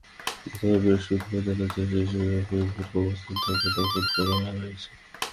গতকাল বৃহস্পতিবার দুপুরে জানাজা শেষে শহরের ফরিদপুর কবরস্থানে তাঁকে দাফন করা হয়েছে।